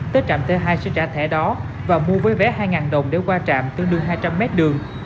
tới trạm t hai sẽ trả thẻ đó và mua với vé hai đồng để qua trạm tương đương hai trăm linh mét đường